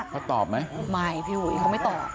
เขาตอบไหมไม่พี่อุ๋ยเขาไม่ตอบ